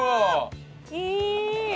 いい！